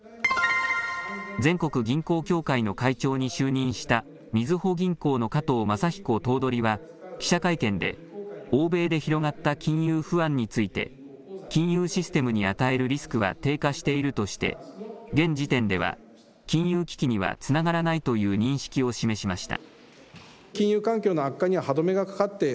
全国銀行協会の会長に就任したみずほ銀行の加藤勝彦頭取は記者会見で、欧米で広がった金融不安について金融システムに与えるリスクは低下しているとして現時点では金融危機にはつながらないという認識を示しました。